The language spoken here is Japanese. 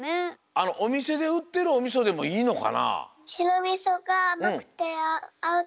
あのおみせでうってるおみそでもいいのかな？